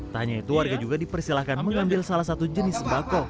tanya itu warga juga dipersilahkan mengambil salah satu jenis bako